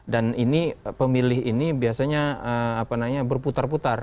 dan pemilih ini biasanya berputar putar